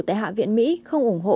tại hạ viện mỹ không ủng hộ